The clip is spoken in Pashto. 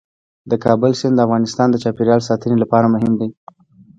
د کابل سیند د افغانستان د چاپیریال ساتنې لپاره مهم دي.